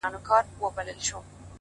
پرمختګ له دوامداره ارزونې زېږي,